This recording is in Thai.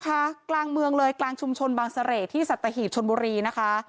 กลางเมืองเลยกลางชุมชนบางเสร่ที่สัตหีบชนบุรีนะคะ